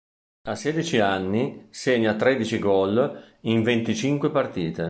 A sedici anni segna tredici gol in venticinque partite.